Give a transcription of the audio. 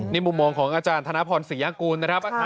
นี่มุมมองของอาจารย์ธนพรศรียากูลนะครับ